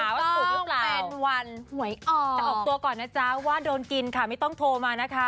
ถูกหรือเปล่าแฟนวันหวยออกแต่ออกตัวก่อนนะจ๊ะว่าโดนกินค่ะไม่ต้องโทรมานะคะ